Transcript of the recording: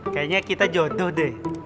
kayaknya kita jodoh deh